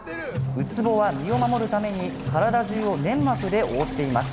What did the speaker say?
ウツボは身を守るために体中を粘膜で覆っています。